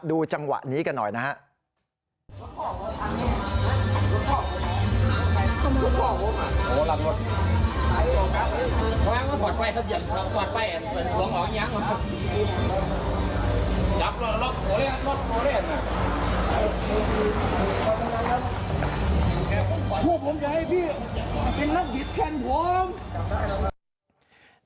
ดูจังหวะนี้กันหน่อยนะครับ